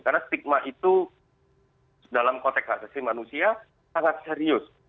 karena stigma itu dalam konteks asasi manusia sangat serius